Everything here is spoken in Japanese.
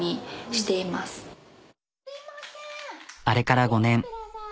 あれから５年。